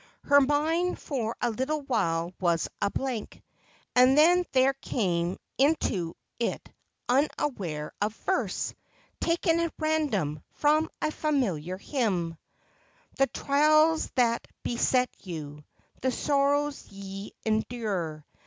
Her mind for a little while was a blank : and then there came into it unawares a verse, taken at random, from a familiar hymn :' The trials that beset you, The sorrows ye endure.